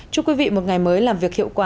chúc quý vị một ngày mới làm việc hiệu quả